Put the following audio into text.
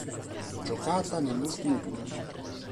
Giocata nell'ultimo turno.